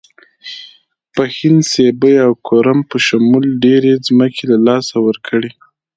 پښین، سیبۍ او کورم په شمول ډېرې ځمکې له لاسه ورکړې.